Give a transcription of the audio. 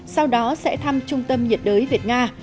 sau đó sẽ thăm trung tâm nhiệt đới việt nga